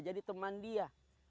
jadi teman dia